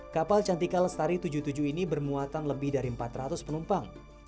kapal cantika lestari tujuh puluh tujuh ini bermuatan lebih dari empat ratus penumpang